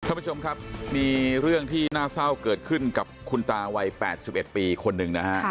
ท่านผู้ชมครับมีเรื่องที่น่าเศร้าเกิดขึ้นกับคุณตาวัย๘๑ปีคนหนึ่งนะฮะ